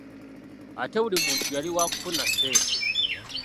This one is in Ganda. Ate buli muntu yali waakufuna ssente.